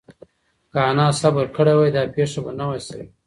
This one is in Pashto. که انا صبر کړی وای، دا پېښه به نه وه شوې.